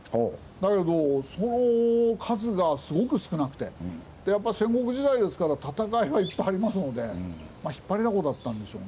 だけどその数がすごく少なくてでやっぱり戦国時代ですから戦いはいっぱいありますので引っ張りだこだったんでしょうね。